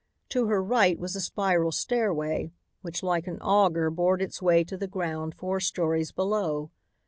To her right was a spiral stairway which like an auger bored its way to the ground four stories below.